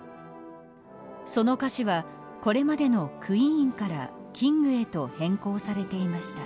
その歌詞はこれまでのクイーンからキングへと変更されていました。